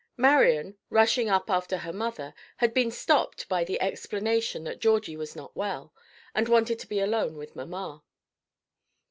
Marian, rushing up after her mother, had been stopped by the explanation that Georgie was not well, and wanted to be alone with mamma.